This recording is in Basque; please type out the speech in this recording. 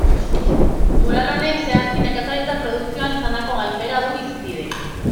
Mural honek, zehazki, nekazaritza produkzioan izandako gainbehera du hizpide.